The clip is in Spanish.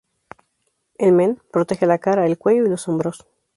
El "men" protege la cara, el cuello y los hombros.